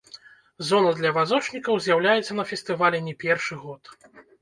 Зона для вазочнікаў з'яўляецца на фестывалі не першы год.